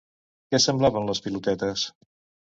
Què semblaven les pilotetes?